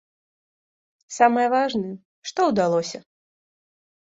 Самае важнае, што ўдалося.